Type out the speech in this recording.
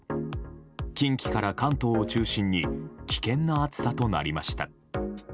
近畿から関東を中心に危険な暑さとなりました。